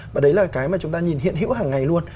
và đấy là cái mà chúng ta nhìn hiện hữu hàng ngày luôn